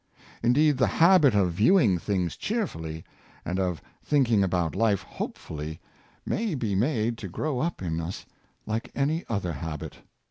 Indeed, the habit of viewing things cheerfully, and of thinking about life hopefully, may be made to grow up in us like any other habit.